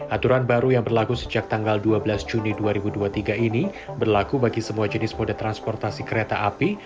aturan baru yang berlaku sejak tanggal dua belas juni dua ribu dua puluh tiga ini berlaku bagi semua jenis mode transportasi kereta api